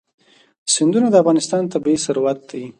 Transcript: سیندونه د افغانستان طبعي ثروت دی.